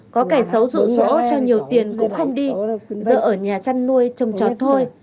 có cải xấu rụ rỗ cho nhiều tiền cũng không đi giờ ở nhà chăn nuôi trông trót thôi